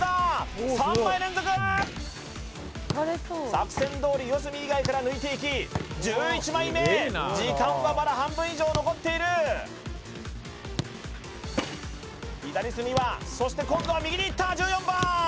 作戦どおり四隅以外から抜いていき１１枚目時間はまだ半分以上残っている左隅はそして今度は右にいった１４番